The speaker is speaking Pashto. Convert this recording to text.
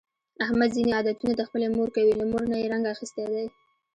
احمد ځني عادتونه د خپلې مور کوي، له مور نه یې رنګ اخیستی دی.